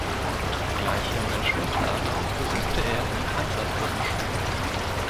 Gleich im Anschluss daran besuchte er die Panzertruppenschule.